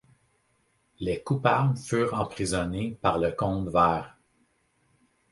Les coupables furent emprisonnés par le Comte Vert.